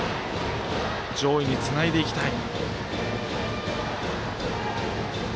上位につないでいきたい。